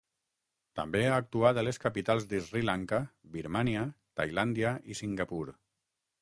També ha actuat a les capitals d'Sri Lanka, Birmània, Tailàndia i Singapur.